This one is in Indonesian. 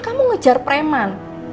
kamu ngejar preman